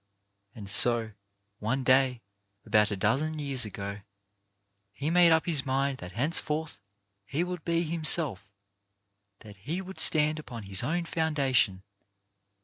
And so, one day about a dozen years ago, he made up his mind that henceforth he would be himself — that he would stand upon his own foundation.